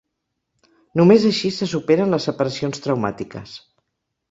Només així se superen les separacions traumàtiques.